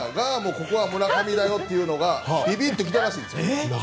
ここは村上だよっていうのがびびっときたらしいんです。